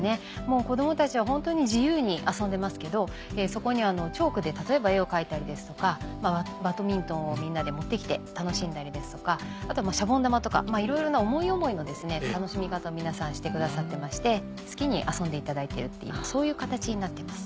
子供たちは本当に自由に遊んでますけどそこにチョークで例えば絵を描いたりですとかバドミントンをみんなで持って来て楽しんだりですとかあとはしゃぼん玉とかいろいろな思い思いの楽しみ方を皆さんしてくださってまして好きに遊んでいただいてるそういう形になってます。